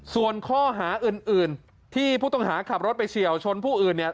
ส่วนข้อหาอื่นที่ผู้ต้องหาขับรถไปเฉียวชนผู้อื่นเนี่ย